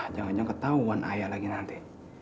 jangan jangan ketahuan ayah lagi nanti